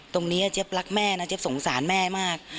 ตรงนี้เจ๊บรักแม่นะเจ๊บสงสารแม่มาก